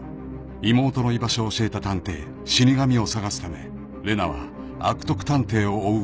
［妹の居場所を教えた探偵死神を捜すため玲奈は悪徳探偵を追う探偵となった］